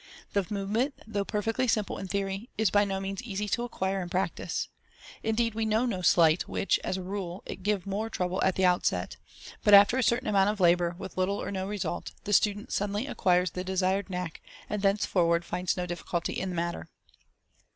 The move ment, though perfectly simple in theory, is by no means easy to acquire in practice. Indeed, we know no sleight which, as a rule, gives more trouble at the outset ; but, after a certain amount of labour with little or no result, tb° student suddenly acquires the desired knack, and thenceforward finds no difficulty in the matter.